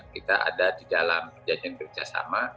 kita ada di dalam perjanjian kerjasama